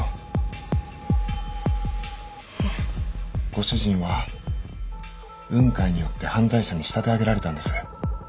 ご主人は雲海によって犯罪者に仕立て上げられたんです。